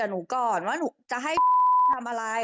หาเหมือนว่าหนูจะให้ทำอะไร